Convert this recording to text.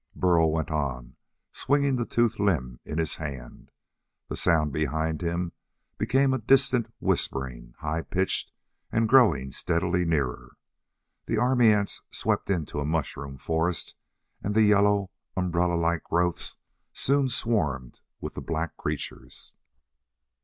Burl went on, swinging the toothed limb in his hand. The sound behind him became a distant whispering, high pitched and growing steadily nearer. The army ants swept into a mushroom forest and the yellow, umbrella like growths soon swarmed with the black creatures.